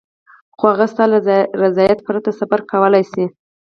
خو هغه ستا له رضایت پرته سفر کولای شي.